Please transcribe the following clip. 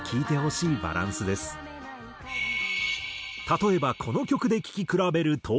例えばこの曲で聴き比べると。